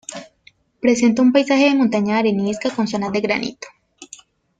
Presenta un paisaje de montaña arenisca con zonas de granito.